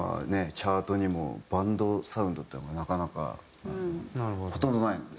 チャートにもバンドサウンドっていうのはなかなかほとんどないので。